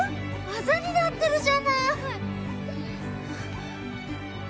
あざになってるじゃない！